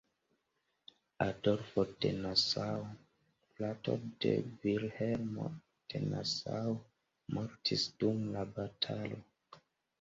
Adolfo de Nassau, frato de Vilhelmo de Nassau, mortis dum la batalo.